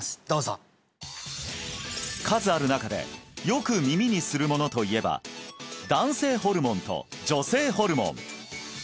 どうぞ数ある中でよく耳にするものといえば男性ホルモンと女性ホルモン